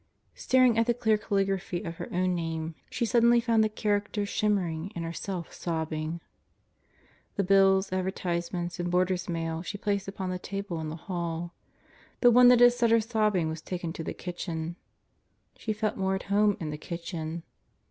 Staring at the clear calligraphy of her own name she suddenly found the characters shimmering and herself sobbing. The bills, advertisements, and boarders' mail she placed upon the table in the hall. The one that had set her sobbing was taken to the kitchen. She felt more at home in the kitchen.